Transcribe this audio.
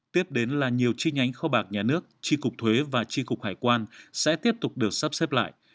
tiếp đến là nhiều chi nhánh kho bạc nhà nước tri cục thuế và tri cục hải quan sẽ tiếp tục được sắp xếp lại